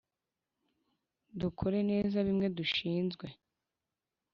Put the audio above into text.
dukore neza bimwe dushinzwe